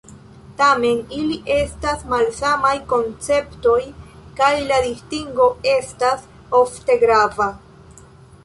Tamen, ili estas malsamaj konceptoj, kaj la distingo estas ofte grava.